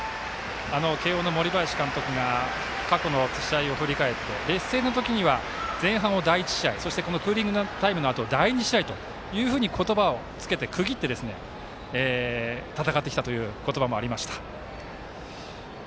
慶応の森林監督が過去の試合を振り返って劣勢の時には前半を第１試合クーリングタイムのあとを第２試合というふうに言葉をつけて、区切って戦ってきたという言葉もありました。